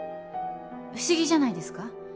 不思議じゃないですか。